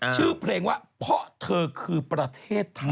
ชื่อเพลงว่าเพราะเธอคือประเทศไทย